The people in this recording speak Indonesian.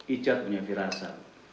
icat punya firasa